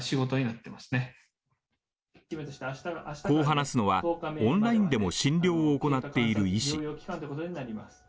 こう話すのはオンラインでも診療を行っている医師。